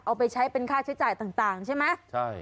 เอาไปใช้เป็นค่าใช้จ่ายต่างใช่ไหมใช่